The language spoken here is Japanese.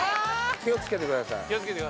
気を付けてください。